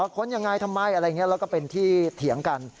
ค้นยังไงทำไมอะไรอย่างนี้แล้วก็เป็นที่เถียงกัน